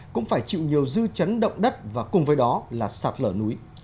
cũng phải chịu nhiều dư chấn động đất và cùng với đó là sạt lở núi